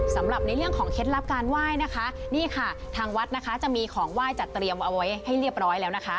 สำหรับในเรื่องของเคล็ดลับการไหว้นะคะนี่ค่ะทางวัดนะคะจะมีของไหว้จัดเตรียมเอาไว้ให้เรียบร้อยแล้วนะคะ